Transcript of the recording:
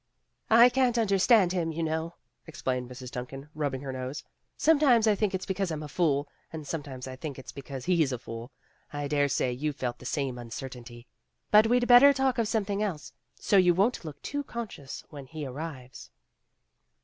"I can't understand him, you know," ex plained Mrs. Duncan, rubbing her nose. "Sometimes I think it's because I'm a fool, and sometimes I think it's because he's a fool. I dare say you've felt the same uncertainty. But we'd better talk of something else, so you won't look to conscious when he arrives."